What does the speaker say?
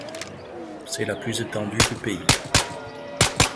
C'est la plus étendue du pays.